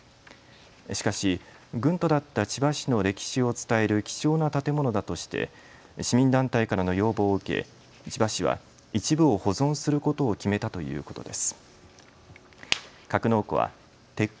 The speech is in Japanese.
しかし軍都だった千葉市の歴史を伝える貴重な建物だとして市民団体からの要望を受け千葉市は一部を保存することを決めたということです。